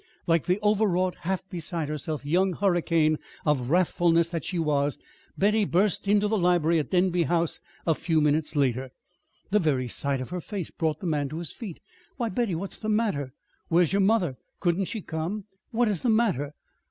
Like the overwrought, half beside herself young hurricane of wrathfulness that she was, Betty burst into the library at Denby House a few minutes later. The very sight of her face brought the man to his feet. "Why, Betty, what's the matter? Where's your mother? Couldn't she come? What is the matter?"